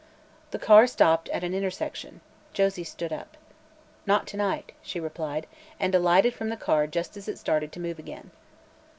The car stopped at a street intersection. Josie stood up. "Not to night," she replied, and alighted from the car just as it started to move again.